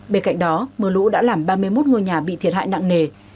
bên cạnh đó mưa lũ đã làm ba mươi một ngôi nhà bị thiệt hại nặng nề